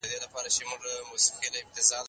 دا باکتریاوې په ساحلي سیمو کې ډېرې خپرېږي.